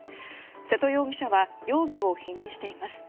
瀬戸容疑者は容疑を否認しています。